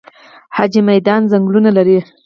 جاجي میدان ځنګلونه لري؟